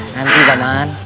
nanti pak man